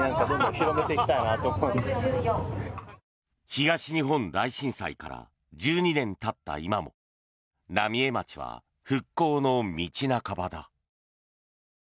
東日本大震災から１２年たった今も浪江町は復興の道半ばだ。